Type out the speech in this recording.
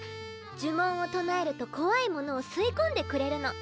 じゅもんを唱えるとこわいものを吸いこんでくれるの。